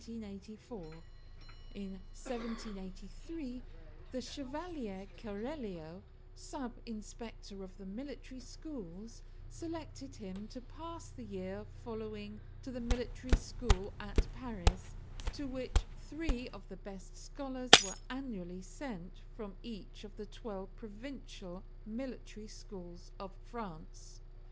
In 1783 the Chevalier Keralio, sub inspector of the military schools, selected him to pass the year following to the military school at Paris, to which three of the best scholars were annually sent from each of the twelve provincial military schools of France.